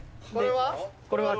これは？